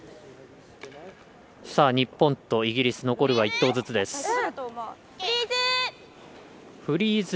日本とイギリス残るは１投ずつです。